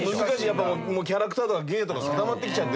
やっぱキャラクターとか芸とか固まってきちゃってるから。